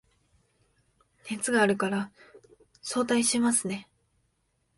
熱があるから早退しますね